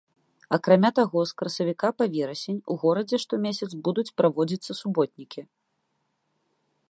Акрамя таго з красавіка па верасень у горадзе штомесяц будуць праводзіцца суботнікі.